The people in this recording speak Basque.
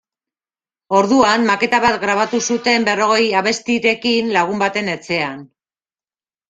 Orduan, maketa bat grabatu zuten berrogei abestirekin, lagun baten etxean.